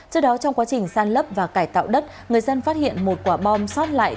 trước đó trong quá trình san lấp và cải tạo đất người dân phát hiện một quả bom xót lại